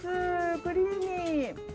クリーミー。